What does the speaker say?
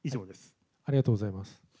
ありがとうございます。